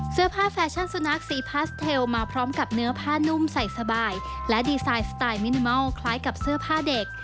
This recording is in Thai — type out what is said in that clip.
แฟชั่นสุนัขสีพาสเทลมาพร้อมกับเนื้อผ้านุ่มใส่สบายและดีไซน์สไตล์มินิมอลคล้ายกับเสื้อผ้าเด็ก